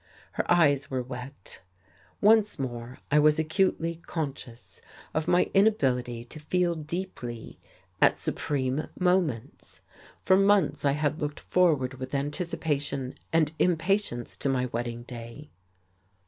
Her eyes were wet. Once more I was acutely conscious of my inability to feel deeply at supreme moments. For months I had looked forward with anticipation and impatience to my wedding day.